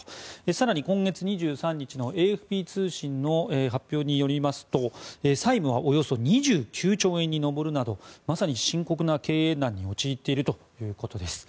更に、今月２３日のＡＦＰ通信の発表によりますと債務はおよそ２９兆円に上るなどまさに深刻な経営難に陥っているということです。